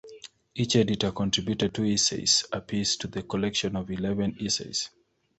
Each editor contributed two essays apiece to the collection of eleven essays.